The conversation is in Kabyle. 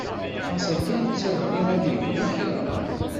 Xas akka yettagi ad yebru i kra.